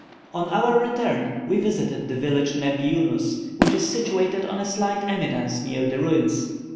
On our return we visited the village Nebbi Yunus, which is situated on a slight eminence near the ruins.